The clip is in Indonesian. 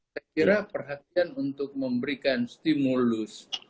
saya kira perhatian untuk memberikan stimulus